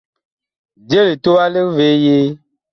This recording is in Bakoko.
Je litowa lig vee yee ?